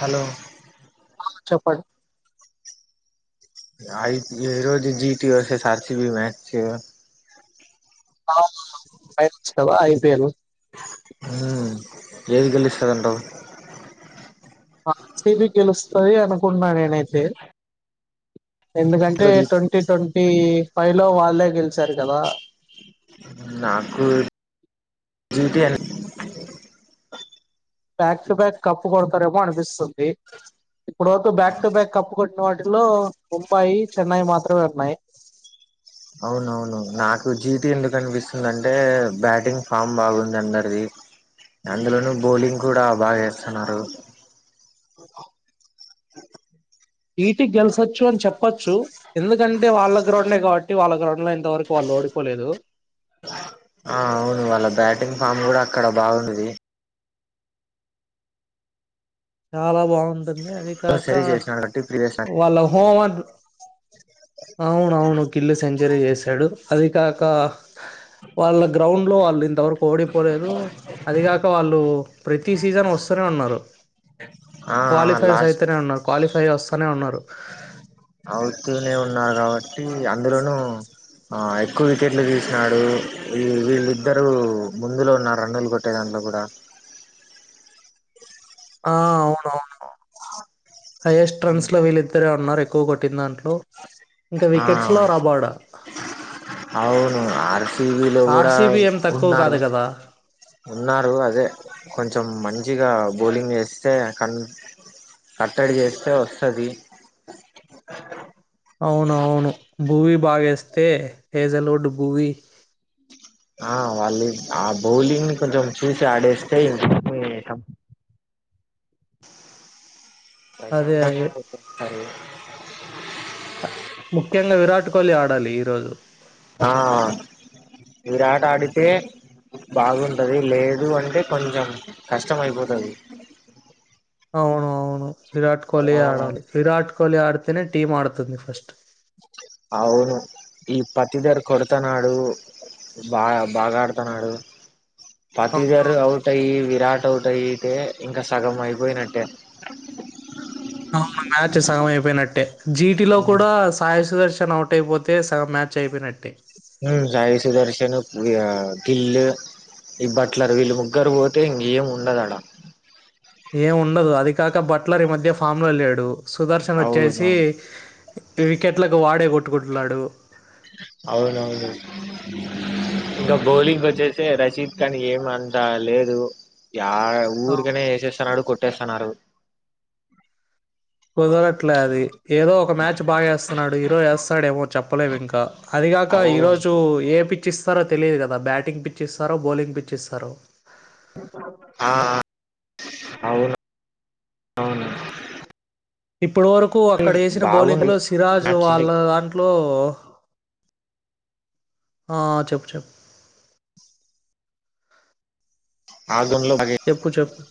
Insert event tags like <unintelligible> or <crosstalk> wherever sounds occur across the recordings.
Hello చెప్పడి ఆఐ రోజ జీటి వసషర్సీ బీ మచ్ ఆ అయస్తవా హ ఏది గెలుస్తారంట ఆసది గెలుస్తుంది అనుకుంటున్నా నేనైతే ఎందుకంటే ట్వంటీ ట్వంట ఈ పైలో వాళ్ళే గెలిచారు కదా నాకు టీ అ బ్యాక్ టు బ్యాక్ కప్పు కొడతారేమో అనిపిస్తుంది ఇప్పుడుతు బ్యాక్ టు బ్యాక్ కప్పు కొట్టి లో ముంబాయి చెన్నై మాత్రమే ఉన్నాయి. అవునవును నాకు జీటి ఎందుకు అనిపిస్తుందింటే బ్యాటింగ్ ఫామ్ బాగుందిఅందరిది. అందులోను బౌలింగ్ కూడా బాగా చేస్తున్నారు. వీటికి గెల్చొచ్చు అని చెప్పచ్చు ఎందుకంటే వాళ్ళ గ్రౌండే కాబట్టి వాళ్ళ గ్రౌండ్ లో ఇంతవరకు వాళ్ళు ఓడిపోలేదు. ఆ అవును వాళ్ళ బ్యాటింగ్ ఫామ్ కూడా అక్కడ బాగున్నది. చాలా బాగుంది ఏంది అది కాక సరి చేసినాడు కాబట్టి ప్రీవియస్ వాళ్ళ హోం అద్ అవున అవును కిల్లు సెంచరీ చేసాడు అది కాక వాళ్ళ గ్రౌండ్ లో వాళ్ళు ఇంతవరకు ఓడిపోలేదు అది కాక వాళ్ళు ప్రతి సీజన్ వస్తూనే ఉన్నారు ఆ క్వాలిఫైర్స్ లాస్ట్ అయితేనే ఉన్నారు క్వాలిఫై స్థాయి వస్తానే ఉన్నారు అవుతూనే ఉన్నారు కాబట్టి టి అందులోనూ ఆ ఎక్కువ వికెట్లు తీసినాడు ఈ వీళ్ళిద్దరూ ముందులో ఉన్న రన్నులు కొట్టే దాంట్లో కూడా ఆ అవునవును హైయెస్ట్ ట్రెండ్స్ లో వీళ్ళిద్దరే ఉన్నారు. ఎక్కువ కొట్టిన దాంట్లో ఇంకా ఆ వికెట్స్ లో రాబోడ్ అవును ఆర్సవీలో కూడా ఆర్సిబి ఏం తక్కువ ఉన్నారు కాదు కదా ఉన్నారు అదే కొంచెం మంచ్ మంచిగా బౌలింగ్ వేస్తే కన్ కట్టడి చేస్తే వస్తాది అవునవును భూవీ బాగేస్తే హేజల్వుడ్ బూవి ఆ వాళ్ళు ఆ బౌలింగ్ ని కొంచెం చూసి ఆడేస్తే ఇంగా <inaudible> అదే ప్రశాంతంగా అదే ఉంటే చేస్తారు. చుడాలి ఈ రోజు ఆ విరాట్ ఆడితే బాగుంటది లేదు అంటే కొంచెం కష్టం అయిపోతుంది అవును అవును విరాట్ కోహ్లీ ఆడాలి విరాట్ కోహ్లీ ఆడి తి టీమ్ ఆడుతది ఫస్ట్ అవును ఈ పత్తిధర కొడతన్నాడు బా బాగాడుతున్నాడు అవును పాతిదారు ఔట్ అయి విరాట్ నోటౌట్ అయియతే ఇంకా సగం అయిపోయినట్టే జీటి లో ఉమ్ కూడా సాయ సుదర్శ <unintelligible> అవుట్ అయిపోతే సగం మ్యాచ్ అయిపోయినట్టు మ్ సాయి సుదర్శను గిల్లు ఈ బట్లర్ వీళ్ళు ముగ్గరు పోతే ఇంకేం ఉండదడా ఏం ఉండదు అది కాక బట్లర్ ఈ మధ్య ఫామ్ లో వెళ్ళాడు సుదర్శన వచ్చేసి అవునవును వికెట్లకు వాడే కొట్టుకుంటున్నాడు అవునవును ఇంకా బౌలింగ్ వచ్చేసి రషీద్ ఖానీ ఏమంత లేదు యా ఆ, ఊర్కానే ఏసేస్తానాడుకొ ట్స్థానారు కుదరట్లే అది ఏదో ఒక మ్యాచ్ బాగా వేస్తున్నాడు హీరో ఎస్ <unintelligible> మ చెప్పలేము ఇంకా అదిగాక అవును ఈరోజు ఏ పి పిచ్చి ఇస్తారో తెలియదు కదా బ్యాటింగ్ పిచ్చి ఇస్తారో బౌలింగ్ పిచ్చి ఇస్తారో అ అవును అవును ఇప్పటి వరకు అక్కడ వేసిన బాగుంది బౌలింగ్లో సిరాజ్ నచ్చింది. వాళ్ళ అ హలో ఆ చెప్ చెప్ అ చెప్పు చెప్పు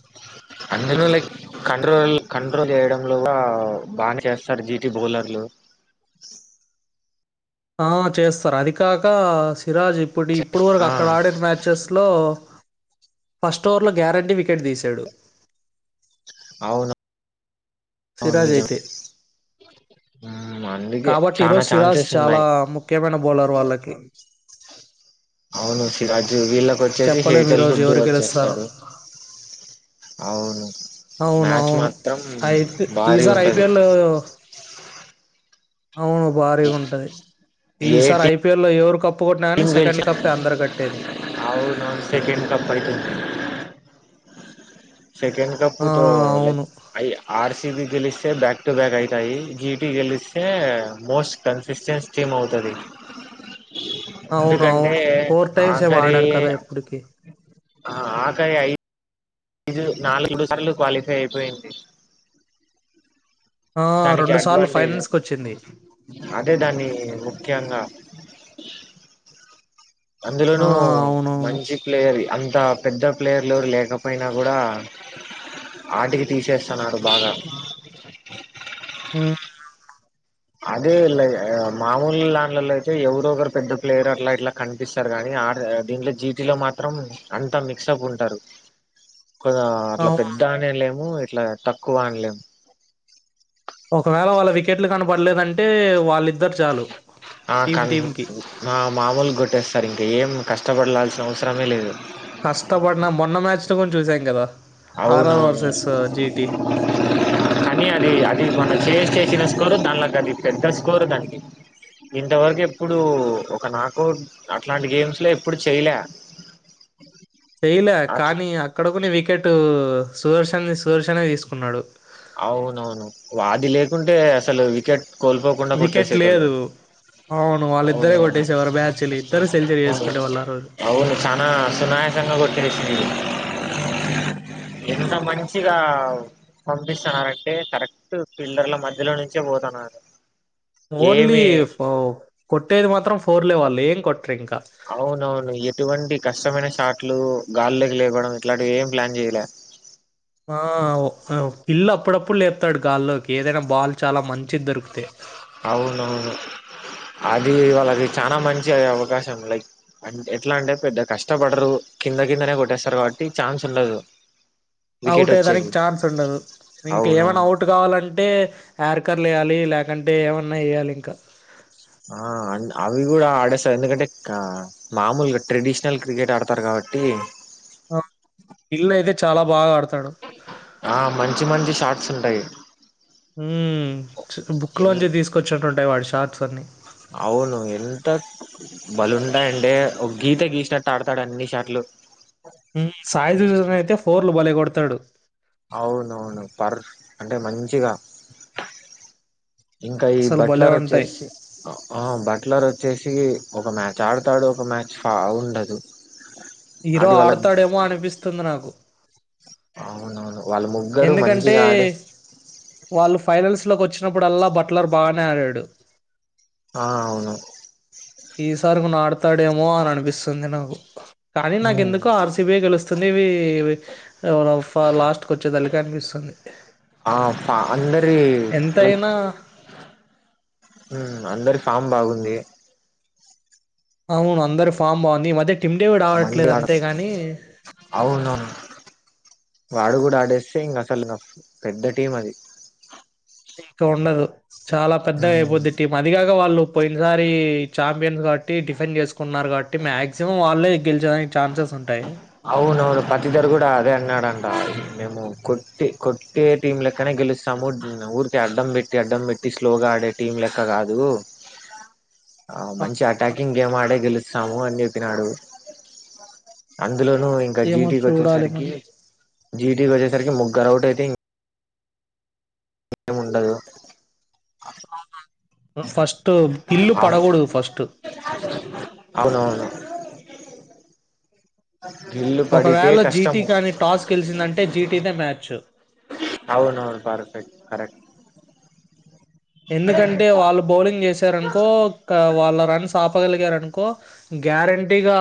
అందును లైక్ కంట్రోల్ కంట్రోల్ చేయడంలో బాగానే చేస్తారు జీటి బౌలర్లు ఆ చేస్తారు అది కాక సిరాజ్ ఇప్పుడు ఇప్పటి వరకు ఆ అక్కడ ఆడిన మ్యాచెస్లో ఫస్ట్ ఓవర్లో గ్యారంటీ వికెట్ తీశాడు అవును అవును సిరాజ్ నిజం అయితే మ్మ్, అందుకే కాబట్టి చాలా ఈరోజు సిరాజ్ ఛాన్సెస్ చాలా ఉన్నాయి ముఖ్యమైన బౌలర్ వాళకి అవును శిరాజ్ వీళ్ళకి వచ్చేసి చెప్పలేము హేటల్ ఈరోజు హుడ్ ఎవరు గెలుస్తారు వచ్చేస్తాడు అవును అవును మ్యాచ్ అవును మాత్రం అయితే భారీ ఈసారి ఉంటది ఐపీఎల్ అవును భారీగా ఉంటది ఈసారి ఐపీఎల్ లో ఎవరు కప్పు కొట్టినా కానీ అవును సెకండ్ కప్పే అందరు కట్టేది అవును సెకండ్ కప్ అయితే సెకండ్ కప్ ఆ, తో అవును లైలక్ఐ ఆర్సీ బి గెలిస్తే బ్యాక్ టు బ్యాక్ అయితాయి జిటి గెలిస్తే మోస్ట్ కన్సిస్టెంట్ టీమ్ అవుతది అవునవును. ఎందుకంటే టైమ్స్ ఏమో ఆఖరి ఆడారు కదా ఇప్పటికి. ఆఖరి అఐ ఈజు నాలుగు సార్లు క్వాలిఫై అయిపోయింది ఆ! దానికి సార్లు అడ్వాంటేజ్ ఫైనల్స్‌కొచ్చింది. స్ అదే దాన్ని ముఖ్యంగా ఆ! అందులోనుూ అవునవును. మంచి ప్లేయర్ వి అ అంత పెద్ద ప్లేయర్లు లేకపోయినా కూడా ఆటికి తీసేస్తున్నారు బాగా ఆ అదే మామూలు లాంలలో అయితే ఎవరు ఒకరు పెద్ద ప్లేయర్ అట్లా ఇట్లా కనిపిస్తారు కానీ ఆ దీంట్లో జీటిలో మాత్రం అంతా మిక్స్ అప్ ఉంటారు కొ అట్లా అవును. పెద్ద అనే లేము అట్లా తక్కువ అన్ లేం ఒకవేళ వాళ్ళ వికెట్లు కను పడలేదంటే వాళ్ళిద్దరు చాలు ఆ టీం కం టీమ్ టీమ్‌కి. ఆ మామూలు కొట్టేస్తారు ఇంక ఏం కష్టపడలాల్సిన అవసరమే లేదు కష్టపడిన మొన్న మ్యాచ్ ను కొంచ చూసాం కదా 'ఆర్ఆర్ అవునువును వర్సెస్ జీటీ'. కనీ అది అది మన టేస్టే ఇచ్చిన స్కోరు దానిలో అది పెద్ద స్కోరు దానికి ఇంతవరకు ఎప్పుడు ఒక నాకౌట్ అట్లాంటి గేమ్స్ లో ఎప్పుడు చేయాలా చెయలే కానీ అక్కడ కొన్ని వికెట్ అటు సుహర్శన సుదర్శనే తీసుకున్నాడు అవునవును వాడి లేకుంటే అసలు వికెట్ కోల్పోకుండా వికెట్ కొట్టేసేటోల్లు లేదు. అవును. వాళ్ళిద్దరే అవునువును కొట్టేసేవారు మ్యాచ్‌ని. ఇద్దరు సెంచరీ అవును చేసుకునేవాళ్ళు ఆ రోజు. అవును చనా సునాయసంగా కొట్టేసిండు ఎంత మంచిగా పంపిస్తున్న అంటే కరెక్ట్ పిల్లర్ల మధ్యలో నుంచే పోతున్నారు ఓన్లీ ఏమి కొట్టేది మాత్రం ఫోర్ లేవాల్ ఏం కొట్ అవునవును ఎటువండి కష్టమైన షాట్లు గాలిలోకి లేవడం ఇలాంటివి ఏం ప్లాన్ చేయాలా ఆ పిల్లు అప్పుడప్పుడు లేపుతాడు గాల్లోకి ఏదైనా బాల్ చాలా మంచిది దొరికుతే అవును అవును అది వాళ్ళకి చానా మంచి అయ్యే అవకాశం లైక్ అండ్ ఎట్లా అంటే పెద్ద కష్టపడరు కింద కిందనే కొట్టు చేస్తారు కాబట్టి చాన్స్ ఉండదు. అవుట్ వికెట్ అయ్య దానికి వచ్చేకి ఛాన్స్ ఉండదు ఇంక ఏమైనా అవునవును అవుట్ కావాలంటే అర్కర్ వేయాలి లేకుంటే అంటే ఏమన్నా వేయాలి ఇంకా. ఆహ్ అ అవి కూడా ఆడేస్తారు ఎందుకంటే మామూలుగా ట్రెడిషనల్ క్రికెట్ ఆడతారు కాబట్టి. ఇల్లు అయిదట్. చాలా బాగా ఆడుత ఆహ్ మంచి మంచి షాట్స్ ఉంటాయి. ఉమ్ బుక్ ఎన్ లోంచి తీసుకొచ్చినట్టు ఉంటాయి వాడి షాట్స్. అవును ఎంతక్ బలుంటాయండి ఒక గీతా గీసినట్టు ఆడుతాడు అన్ని షాట్లు. సాయి సృజన్ అయితే ఫోర్లు బాలే కొ ఆడతాడు. అవును అవును పర్ అంటే మంచిగా. ఇంకా ఈ అసలు భలే బట్లర్ ఉంటాయి వచ్చేసి ఆహ్ బట్లర్ వచ్చేసి. ఒక మ్యాచ్ ఆడతాడు ఒక మ్యాచ్ బాగుండదు. హీరో ఆడతాడేమో అనిపిస్తుంది నాకు. అవునవును. వాళ్ళ ముగ్గురు ఎందుకంటే మంచిగా ఆడే వాళ్ళు ఫైనల్స్. బట్ లోకి వచ్చినప్పుడు అల్లా బట్లర్ బాగానే ఆడాడు. ఆహ్ అవును. మాతాడేమో అని అనిపిస్తుంది నాకు. కానీ ఉమ్. నాకెందుకో ఆర్. సి. బి యే గెలుస్తుంది ఇవి ఎవరో ఫ లాస్ట్. కి వచ్చేదలికి అనిపిస్తుంది ఆహ్ ఫ అందరి లైక్. ఎంతైనా ఉమ్ అందరి ఫామ్ బాగుంది. అవును అందరి ఫామ్ బాగుంది ఈ మధ్య. టీంమ్డేవి మంది ఆడట్లేదు ఆడ అంతే గాని. అవునవును వాడు కూడా ఆడేస్తే ఇంక అసలు నా పెద్ద టీం అది. ఇంకా ఉండదు. చాలా పెద్దగా అయిపోద్ది టీం అది కాక వాళ్ళు. పోయినసారి చాంపియన్స్ కాట్టి డిఫెండ్ చేసుకున్నారు కాబట్టి మాక్సిమం వాళ్ళే. గెలిచడానికి ఛాన్సెస్ ఉంటాయి అవునవను పతిద్దరు కూడా అదే అన్నాడు అన్న. మేము కొట్టి కొట్టే టీం లెక్కనే గెలుస్తాము. మ్మ్ ఊరికే అడ్డం పెట్టి అడ్డం పెట్టి స్లోగా ఆడే టీం లెక్క కాదు. ఆ మంచి అటాకింగ్ గేమ్ ఆడే గెలుస్తాము అని తిన్యాడు అం అందులోను ఇంకా ఏమో జీటికి చూడాలి వచ్చేసరికి మళ్ళీ జీటికి వచ్చేసరికి ముగ్గురు అవుట్ అయితేం ము ఉండదు ఫస్ట్ కిల్లు పడకూడదు ఫస్ట్ అవునవును గిల్లు పడితే ఒకవేళ జీటీ కష్టము కానీ టాస్ గెలిచిందంటే జీటీ దే మ్యాచ్ అవును అవును పర్ఫెక్ట్ కరెక్ట్ ఎందుకంటే వాళ్ళు బౌలింగ్ చేసారనుకో వా ళ్ళ రన్స్ ఆపగలిగారునుకో గ్యారంటీగా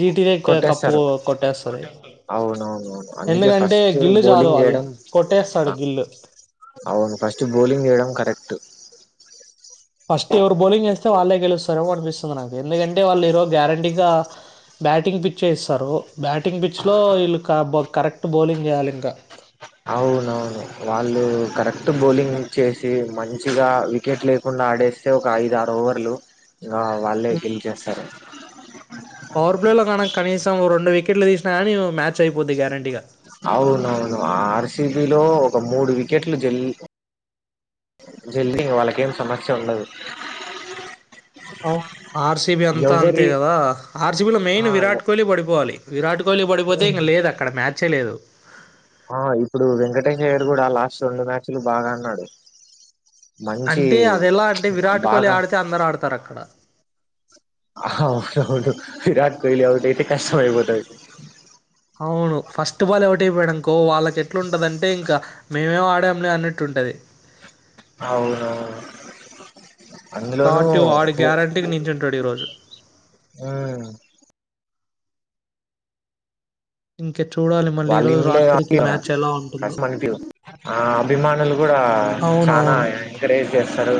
జీటి కప్పు కొట్టేస్తారు కొట్టేస్తారు అవునవునవును అందుకే ఫస్ట్ బౌలింగ్ చేయడం కొట్టేస్తాడు గిల్లు. అవును ఫస్ట్ బౌలింగ్ చేయడం కరెక్ట్ ఫస్ట్ ఎవరు బౌలింగ్ చేస్తే వాళ్ళే గెలుస్తారేమో అనిపిస్తుంది నాకు ఎందుకంటే వాళ్ళు ఈరోజు గ్యారంటీగా బ్యాటింగ్ పిచ్చ చేస్తారు బ్యాటింగ్ పిచ్లో వీళ్ళు బ కరెక్ట్ బౌలింగ్ చేయాలి ఇంకా అవునవును వాళ్ళు కరెక్ట్ బౌలింగ్ చేసి మంచిగా వికెట్ లేకుండా ఆడేస్తే ఒక ఐద ఆరు ఓవర్లు ఇంకా వాళ్ళే గెలిచేస్తారు పవర్ ప్లేలో కాన కనీసం రెం విక టికెట్లు తీనా కానీ మ్యాచ్ అయిపోద్ది గారంటీగా అవునవును ఆ ఆర్సిబిలో ఒక మూడు వికెట్లు జల్ జల్లి వాళ్ళకేం సమస్య ఉండదు అవును ఆర్సిబి అంతా అంతే ఎవరి కదా ఆర్సిబిలో ఆ మెయిన్ విరాట్ కోహ్లీ పడిపోవాలి విరాట్ కోహలి పడిపోతే ఇంక లేదు అక్కడ మ్యాచ్ చేలేదు ఆ ఇప్పుడు వెంకటేశ అయ్యడు కూడా లాస్ట్ రెండు మ్యాచ్లు బాగా అన్నాడు మంచి అంటే అదెలా అంటే విరాట్ కోహ్లీ బాగా ఆడితే అందరాడతారక్కడ. అవును అవును విరాట్ క అ ఎతే కష్టమపో తకి అవును ఫస్ట్ బాల్ ఎవటియిపోయాడునుకో వాళ్ళకి ఎట్లా ఉంటుందంటే ఇంకా మేమే ఆడామని అన్నట్టు ఉంటుంది అవును అందులోనూ కాబట్టి వాడు హ గ్యారంటీగా నించుంటాడు ఈరోజు. హ వాళ్ళ ఇంలే ఎలా ఉంటుందో. కస్మాన్ ప ఆ అభిమానులు కూడా చాల అవునవును. ఎంకరేజ్ చేస్తారు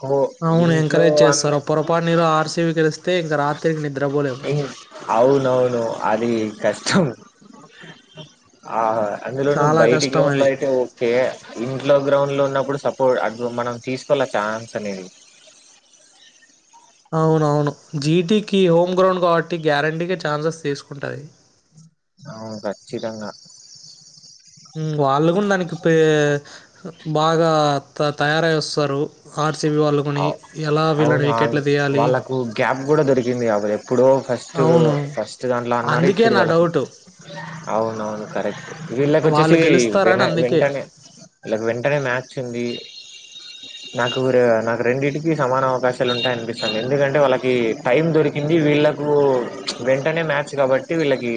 హో అవును. ఇంట్లో ఎంకరేజ్ అన్న చేస్తారు. పొరపాటున ఈరోజు ఆర్‌సీబీ గెలిస్తే ఇంక రాత్రికి నిద్రపోలేము. అవునవును అది కష్టం ఆహ అందులోను చాలా కష్టం బయటికిన్లో అది. అయితే ఓకే ఇం లో గ్రౌం లో ఉన్నప్పుడు సపోర్ట్ మనం తీసుకోవాలచ్చ ఛాన్స్ అనేది అవునవును జీటికి హోమ్ గ్రౌండ్ కాబట్టి గ్యారంటీకి ఛాన్సెస్ తీసుకుంటుంది అవును ఖచ్చితంగా ఉమ్ వాళ్ళ ఉన్నాదపే బాగా‌ త తయారయివస్తారు హార్ట్ ఔ అవునా అల్ తీయాలి. వాళ్ళకు గ్యాప్ కూడా దొరికింది కబా ఎప్పుడు ఫస్ట్ అవును. ఫస్ట్ దాంట్లో అన్నారు, అందుకే ఇప్పుడు నా వాళ్ళకి డౌటు. అవున అవును కరెక్ట్ వీళ్ళకి వాళ్ళు వచ్చేసి వెన గెలుస్తారని అందుకే. వెంటనే వీళ్ళకి వెంటనే మ్యాచ్ ఉంది. నాకు రే నాక్ రెండిటికి సమాన అవకాశాలు ఉంటై అనిపిస్తుంది, ఎందుకంటే వాళ్ళకీ టైమ్ దొరికింది వీళ్లకూ వెంటనే మ్యాచ్ కాబట్టి వీళ్ళకి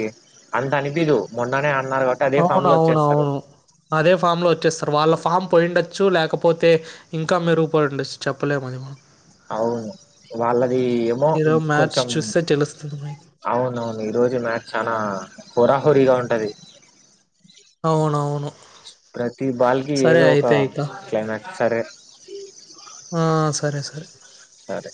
అంత అనిపిదు మొన్ననే. అన్నారు కాబట్టి అదే ఫామ్ లో అవునువును వచ్చేస్తారు అవును అదే ఫామ్ లో వచ్చేస్తారు వాళ్ళ. ఫామ్ పోయిండొచ్చు లేకపోతే ఇంకా మేడుపడి ఉండచ్చు చెప్పలేము ఆయమా. అవును వాళ్ళదీ ఏమో ఉమ్ ఈరోజు మ్యాచ్ కొంచెం చూస్తే తెలుస్తుంది మనకి. అవును అవును ఈ రోజు మ్యాచ్ చానా వోర వొరిగా ఉంటాది అవునవును. ప్రతి బాల్కి సరే ఏదో ఒకా అయితే ఇక. కెమాక్ సరే హా సరే సరే సరే